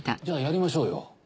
じゃあやりましょうよ。